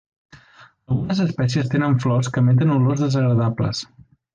Algunes espècies tenen flors que emeten olors desagradables.